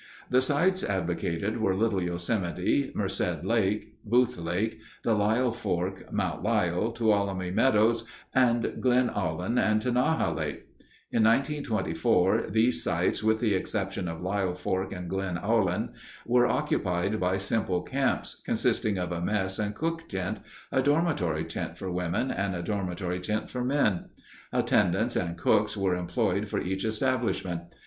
The sites advocated were Little Yosemite, Merced Lake, Boothe Lake, the Lyell Fork (Mount Lyell), Tuolumne Meadows, Glen Aulin, and Tenaya Lake. In 1924, these sites, with the exception of Lyell Fork and Glen Aulin, were occupied by simple camps, consisting of a mess and cook tent, a dormitory tent for women, and a dormitory tent for men. Attendants and cooks were employed for each establishment.